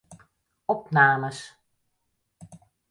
Opnames.